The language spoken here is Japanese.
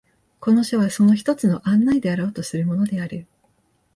この書はその一つの案内であろうとするものである。